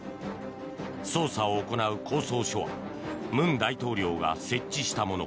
捜査を行う公捜処は文大統領が設置したもの。